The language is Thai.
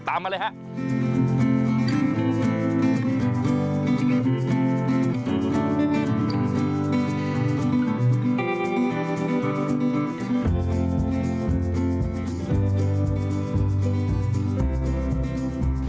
ตามมาเลยครับ